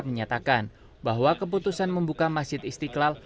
menyatakan bahwa keputusan membuka masjid istiqlal